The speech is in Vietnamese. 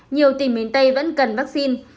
nhiều tỉnh miền tây vẫn cần vaccine